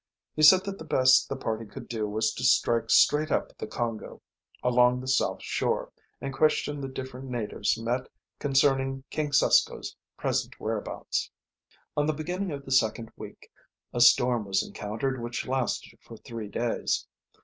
He said that the best the party could do was to strike straight up the Congo, along the south shore, and question the different natives met concerning King Susko's present whereabouts. On the beginning of the second week a storm was encountered which lasted for three days.